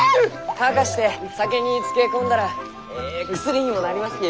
乾かして酒に漬け込んだらえい薬にもなりますき。